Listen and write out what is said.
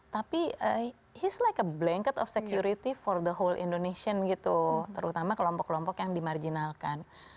tapi is like a blanket of security for the whole indonesian gitu terutama kelompok kelompok yang dimarginalkan